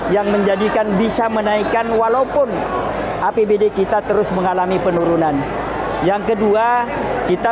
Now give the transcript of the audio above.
yang menjadikan bisa menaikkan walaupun apbd kita terus mengalami penurunan yang kedua kita